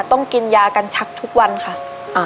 ต้องกินยากันชักทุกวันค่ะ